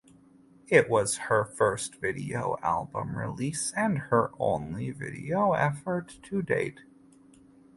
It was her first video album release and her only video effort to date.